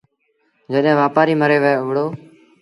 جڏهيݩ وآپآريٚ مري وهُڙو